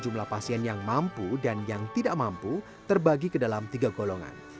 jumlah pasien yang mampu dan yang tidak mampu terbagi ke dalam tiga golongan